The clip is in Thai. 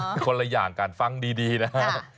ไม่ใช่ครับคนละอย่างการฟังดีนะครับ